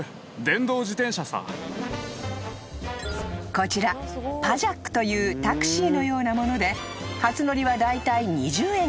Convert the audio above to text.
［こちらパジャックというタクシーのようなもので初乗りはだいたい２０円から］